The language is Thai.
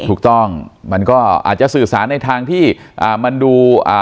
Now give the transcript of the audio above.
ถูกต้องมันก็อาจจะสื่อสารในทางที่อ่ามันดูอ่า